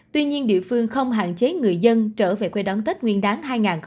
tuy nhiên địa phương không hạn chế người dân trở về quê đón tết nguyên đáng hai nghìn hai mươi bốn